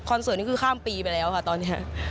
เสิร์ตนี้คือข้ามปีไปแล้วค่ะตอนนี้